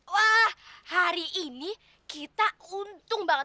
wah hari ini kita untung banget